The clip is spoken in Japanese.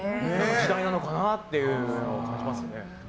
時代なのかなっていうのを感じますね。